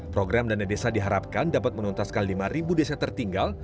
program dana desa diharapkan dapat menuntaskan lima desa tertinggal